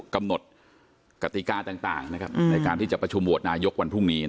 กำหนดกติกาต่างในการที่จะประชุมโหวตนายกวันพรุ่งนี้